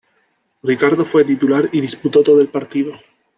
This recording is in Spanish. Ricardo fue titular y disputó todo el partido.